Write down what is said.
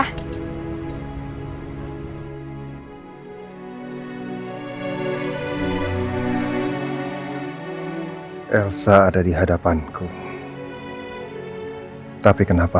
terserah aku bisau